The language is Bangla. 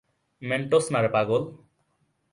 মেন্টস নারে পাগল।